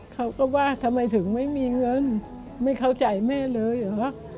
เขาก็ว่าทำไมถึงไม่มีเงินไม่เข้าใจแม่เลยเหรอ